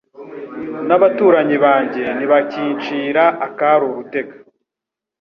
n’abaturanyi banjye ntibakincira akari urutega